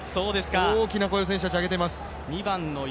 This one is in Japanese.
大きな声を選手たちは上げています。